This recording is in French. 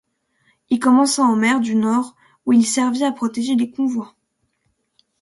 Il commença en mer du Nord où il servit à protéger les convois.